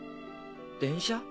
電車？